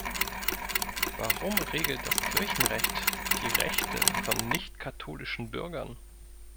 Warum regelt das Kirchenrecht die Rechte von nicht-katholischen Bürgern?